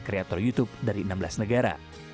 kreator youtube dari enam belas negara